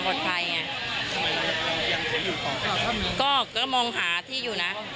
กำลังมองหาอยู่